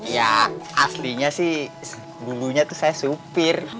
ya aslinya sih dulunya tuh saya supir